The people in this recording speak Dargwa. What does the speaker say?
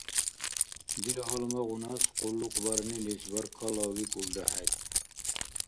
Дила гьалмагъунас къуллукъбарнилис баркаллавикӀулра хӀед.